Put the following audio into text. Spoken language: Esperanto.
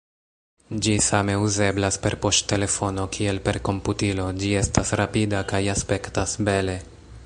Ĝi same uzeblas per poŝtelefono kiel per komputilo, ĝi estas rapida kaj aspektas bele.